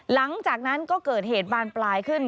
หลังจากนั้นก็เกิดเหตุบานปลายขึ้น